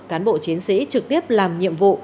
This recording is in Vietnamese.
cán bộ chiến sĩ trực tiếp làm nhiệm vụ